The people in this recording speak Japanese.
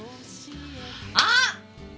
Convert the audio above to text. あっ！